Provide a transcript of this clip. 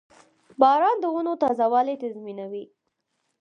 • باران د ونو تازهوالی تضمینوي.